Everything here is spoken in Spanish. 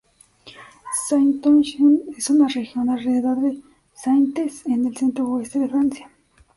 Saintonge es una región alrededor de Saintes, en el centro-oeste de Francia.